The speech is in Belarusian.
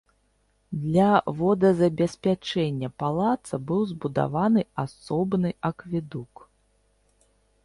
Для водазабеспячэння палаца быў збудаваны асобны акведук.